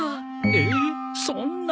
えそんな。